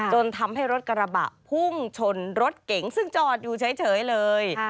จนทำให้รถกระบะพุ่งชนรถเก๋งซึ่งจอดอยู่เฉยเลย